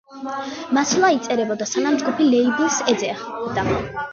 მასალა იწერებოდა, სანამ ჯგუფი ლეიბლს ეძებდა.